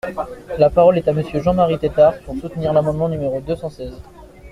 La parole est à Monsieur Jean-Marie Tétart, pour soutenir l’amendement numéro deux cent seize.